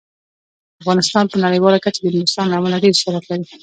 افغانستان په نړیواله کچه د نورستان له امله ډیر شهرت لري.